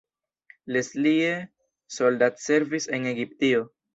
Leslie soldatservis en Egiptio.